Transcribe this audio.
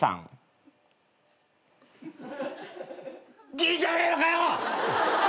ぎんじゃねえのかよ！